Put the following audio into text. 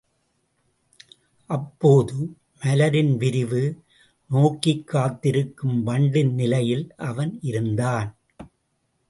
அப்போது மலரின் விரிவு நோக்கிக் காத்திருக்கும் வண்டின் நிலையில் அவன் இருந்தான்.